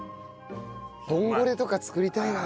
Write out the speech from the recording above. ボンゴレとか作りたいな。